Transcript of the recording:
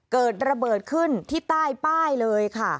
เกิดระเบิดขึ้นที่ใต้ป้ายเลยค่ะ